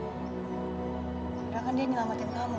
padahal kan dia yang nyelamatin kamu